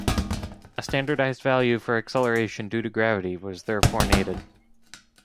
A standardized value for acceleration due to gravity was therefore needed.